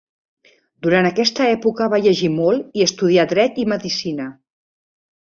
Durant aquesta època va llegir molt i estudià Dret i Medicina.